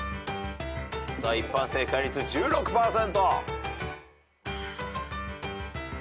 さあ一般正解率１６％。